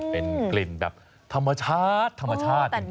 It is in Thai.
เป็นกลิ่นแบบธรรมชาติธรรมชาติจริง